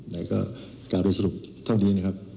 แต่ก็การโดยสรุปเท่านี้นะครับ